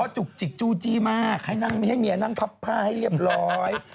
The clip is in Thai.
จุกจิกจู้จี้มากให้เมียนั่งพับผ้าให้เรียบร้อย